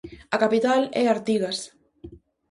A capital é Artigas.